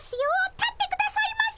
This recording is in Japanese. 立ってくださいませ！